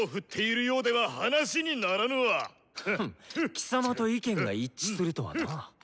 貴様と意見が一致するとはな。